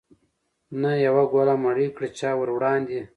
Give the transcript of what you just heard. نه یوه ګوله مړۍ کړه چا وروړاندي